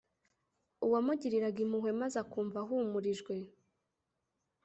uwamugiriraga impuhwe maze akumva ahumurijwe